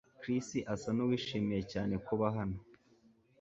Chris asa nuwishimiye cyane kuba hano